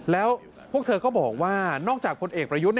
แล้วพวกเธอก็บอกว่านอกจากพลเอกประยุทธ์